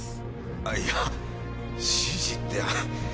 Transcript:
あっいや指示って。